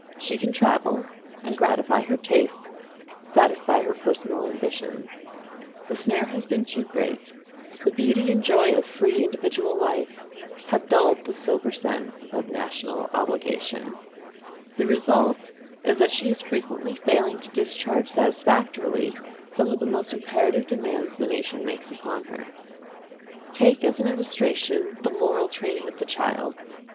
She can travel, and gratify her tastes, satisfy her personal ambitions. The snare has been too great; the beauty and joy of free individual life have dulled the sober sense of national obligation. The result is that she is frequently failing to discharge satisfactorily some of the most imperative demands the nation makes upon her. Take as an illustration the moral training of the child.